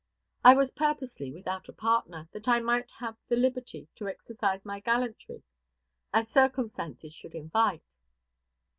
I was purposely without a partner, that I might have the liberty to exercise my gallantry as circumstances should invite.